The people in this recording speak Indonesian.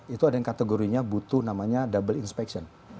itu ada yang kategorinya butuh namanya double inspection